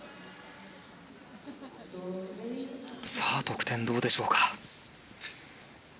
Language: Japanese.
得点どうでしょうか。